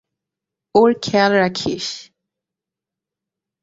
ওর খেয়াল রাখিস।